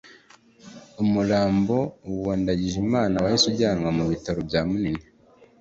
umurambo wa Ndagijimana wahise ujyanwa ku bitaro bya Munini